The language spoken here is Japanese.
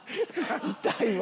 痛いわ。